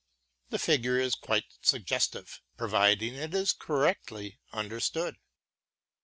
The figure is quite suggestive, providing it is correctly understood.